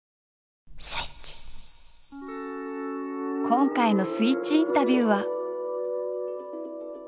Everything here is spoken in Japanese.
今回の「スイッチインタビュー」は。